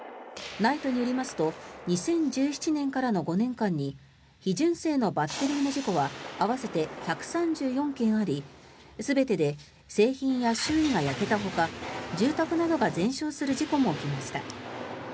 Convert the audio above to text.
ＮＩＴＥによりますと２０１７年からの５年間に非純正のバッテリーの事故は合わせて１３４件あり全てで製品や周囲が焼けたほか住宅などが全焼する事故も起きました。